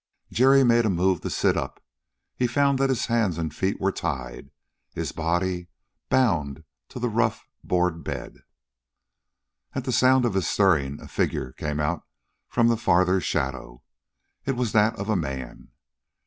Jerry made a move to sit up. He found that his hands and feet were tied, his body bound to the rough board bed. At the sound of his stirring, a figure came out from the farther shadow. It was that of a man.